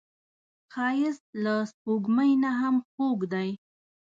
ښایست له سپوږمۍ نه هم خوږ دی